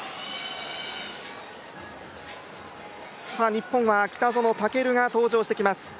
日本は北園丈琉が登場してきます。